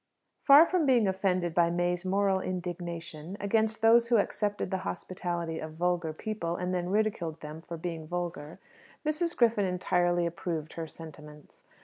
Far from being offended by May's moral indignation against those who accepted the hospitality of vulgar people, and then ridiculed them for being vulgar, Mrs. Griffin entirely approved her sentiments.